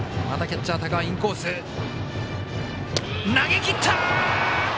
投げきった！